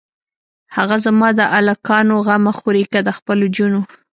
هه زما د الکانو غمه خورې که د خپلو جونو.